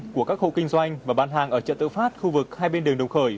của các khu kinh doanh và bán hàng ở trận tự phát khu vực hai bên đường đồng khởi